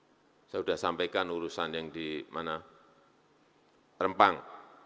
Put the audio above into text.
saya sudah sampaikan urusan yang di mana rempang